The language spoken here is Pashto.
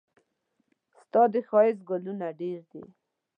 ستا د ښايست ګلونه ډېر دي.